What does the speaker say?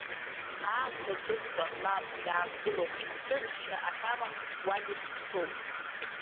Аамҭа дәыӷба, мап, иаангылом, ҭыҵшьа ахьамам уа зегь ҳҭоуп.